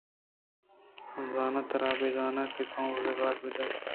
من زاناں ترا نہ زان آں کہ تو مُدام پہ کار ءِ نہ کنگ ءَ نیمونے کن ئے!